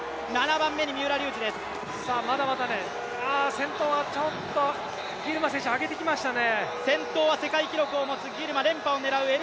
先頭はちょっとギルマ選手、上げてきましたね。